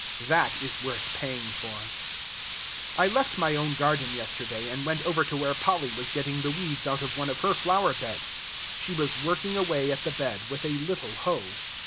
That is worth paying for. I left my own garden yesterday, and went over to where Polly was getting the weeds out of one of her flower beds. She was working away at the bed with a little hoe.